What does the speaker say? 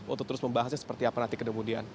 untuk terus membahasnya seperti apa nanti kemudian